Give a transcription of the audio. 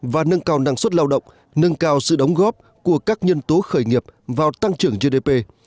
và nâng cao năng suất lao động nâng cao sự đóng góp của các nhân tố khởi nghiệp vào tăng trưởng gdp